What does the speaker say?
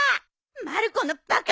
まる子のバカ！